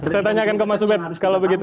saya tanyakan ke mas ubed kalau begitu